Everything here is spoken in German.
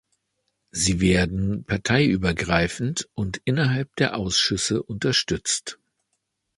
Sie werden parteiübergreifend und innerhalb der Ausschüsse unterstützt.